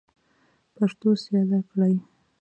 پښتو سیاله کړئ.